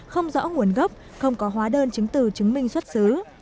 không rõ nguồn gốc không có hóa đơn chứng từ chứng minh xuất xứ